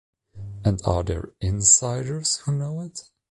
And are there 'insiders' who know it?